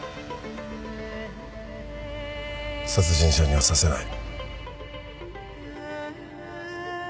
殺人者にはさせない。